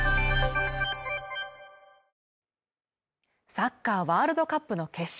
サッカーワールドカップの決勝